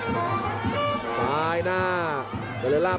จริงครับ